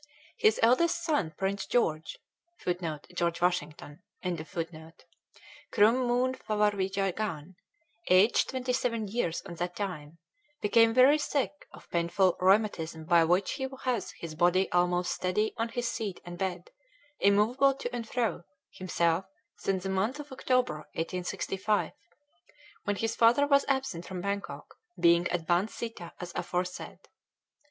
His eldest son Prince George [Footnote: George Washington.] Krom Mu'n Pawarwijagan, aged 27 years on that time, became very sick of painful rheumatism by which he has his body almost steady on his seat and bed, immovable to and fro, himself, since the month of October, 1865, when his father was absent from Bangkok, being at Ban Sitha as aforesaid.